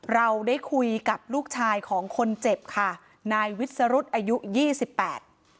เราได้คุยกับลูกชายของคนเจ็บค่ะนายวิสรุธอายุยี่สิบแปด